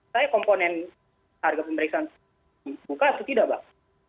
saya komponen harga pemeriksaan buka atau tidak bang